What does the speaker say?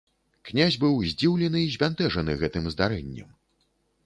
Князь быў здзіўлены і збянтэжаны гэтым здарэннем.